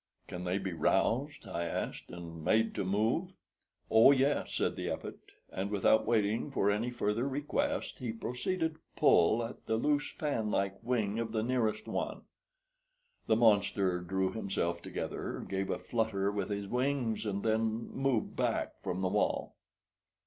"Can they be roused," I asked, "and made to move?" "Oh yes," said the Epet, and without waiting for any further request he proceeded to pull at the loose fan like wing of the nearest one. The monster drew himself together, gave a flutter with his wings, and then moved back from the wall.